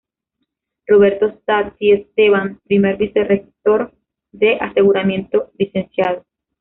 Roberto Santiesteban, primer Vicerrector de Aseguramiento; Lic.